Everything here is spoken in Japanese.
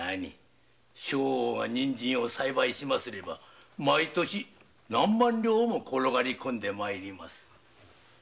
将翁が人参を栽培しますれば毎年何万両も転がり込んで参ります。